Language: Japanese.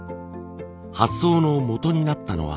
発想のもとになったのは。